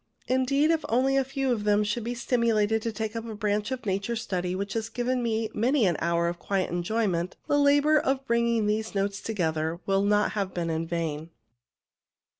Indeed, if only a few of them should be stimulated to take up a branch of nature study which has given me many an hour of quiet enjoy ment, the labour of bringing these notes together will not have been in vain.